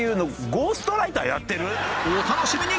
お楽しみに！